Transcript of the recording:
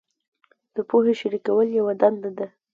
د پوهې شریکول یوه دنده ده.